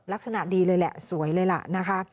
ลักษณะดีเลยแหละสวยเลยล่ะนะคะ